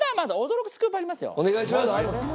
お願いします。